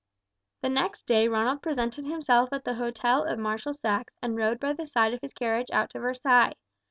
The next day Ronald presented himself at the hotel of Marshal Saxe and rode by the side of his carriage out to Versailles.